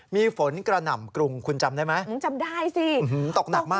มีฝนกระหน่ำกรุงคุณจำได้ไหม